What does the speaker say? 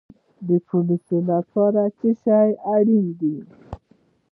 د پولیس لپاره څه شی اړین دی؟